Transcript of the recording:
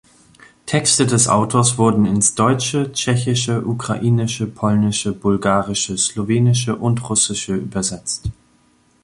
Texte des Autors wurden ins Deutsche, Tschechische, Ukrainische, Polnische, Bulgarische, Slowenische und Russische übersetzt.